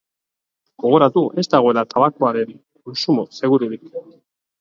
Gogoratu ez dagoela tabakoaren kontsumo segururik.